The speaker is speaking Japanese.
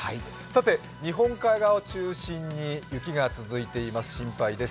日本海側を中心に雪が続いています、心配です。